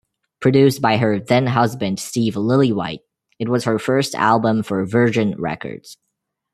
Produced by her then-husband Steve Lillywhite, it was her first album for Virgin Records.